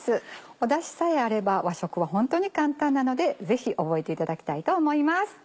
おだしさえあれば和食はホントに簡単なのでぜひ覚えていただきたいと思います。